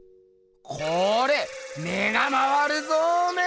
これ目が回るぞおめえ！